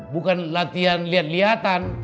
bukan latihan liat liatan